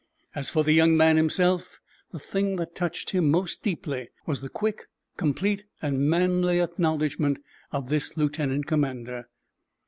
As for the young man himself, the thing that touched him most deeply was the quick, complete and manly acknowledgment of this lieutenant commander.